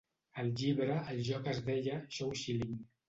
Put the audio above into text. Al llibre, el joc es deia "shoushiling".